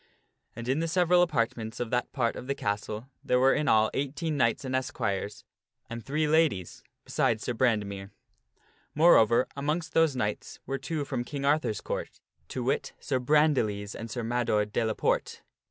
And in the several apartments of that part of the castle, there were in all eighteen knights and esquires, and three ladies besides Sir Brande mere. Moreover, amongst those knights were two from King Arthur's Court: to wit, Sir Brandiles and Sir Mador de la Porte.